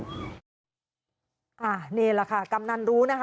นี่แหละค่ะกำนันรู้นะคะ